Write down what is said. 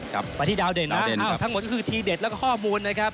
ครับไปที่ดาวเด่นนะดาวเด่นครับอ้าวทั้งหมดก็คือทีเด็ดแล้วก็ข้อมูลนะครับ